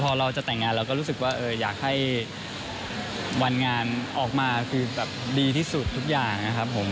พอเราจะแต่งงานเราก็รู้สึกว่าอยากให้วันงานออกมาคือแบบดีที่สุดทุกอย่างนะครับผม